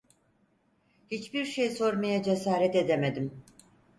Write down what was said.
Hiçbir şey sormaya cesaret edemedim.